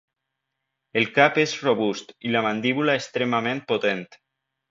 El cap és robust i la mandíbula extremament potent.